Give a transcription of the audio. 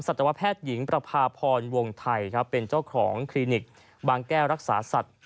ตวแพทย์หญิงประพาพรวงไทยครับเป็นเจ้าของคลินิกบางแก้วรักษาสัตว์